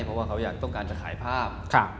เพราะว่าเขาอยากต้องการจะขายภาพ